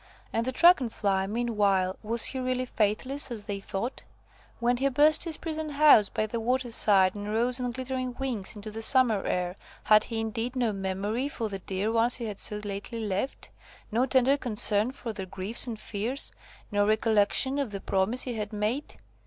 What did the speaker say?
And the Dragon fly, meanwhile, was he really faithless, as they thought? When he burst his prison house by the water side, and rose on glittering wings into the summer air, had he indeed no memory for the dear ones he had so lately left? No tender concern for their griefs and fears? No recollection of the promise he had made?